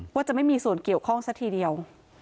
ว่าจะไม่มีส่วนเกี่ยวข้องซะทีเดียว